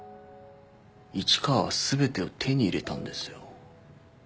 市川は全てを手に入れたんですよ。